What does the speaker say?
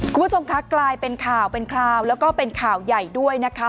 คุณผู้ชมคะกลายเป็นข่าวเป็นคราวแล้วก็เป็นข่าวใหญ่ด้วยนะคะ